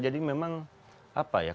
jadi memang apa ya